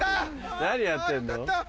何やってんの？